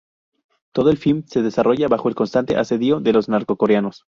Todo el film se desarrolla bajo el constante asedio de los norcoreanos.